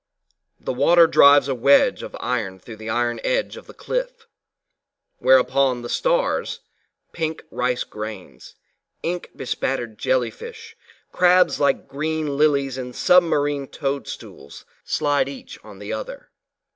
The water drives a wedge of iron through the iron edge of the cliff, whereupon the stars, pink rice grains, ink bespattered jelly fish, crabs like green lilies and submarine toadstools, slide each on the other.